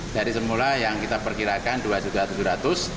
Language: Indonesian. dari semula yang kita perkirakan dua tujuh juta